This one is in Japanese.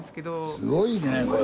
すごいねこれ！